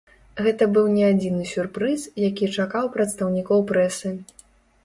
Гэта быў не адзіны сюрпрыз, які чакаў прадстаўнікоў прэсы.